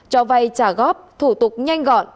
cho vay trả góp thủ tục nhanh gọn